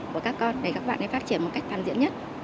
của các con để các bạn phát triển một cách phản diện nhất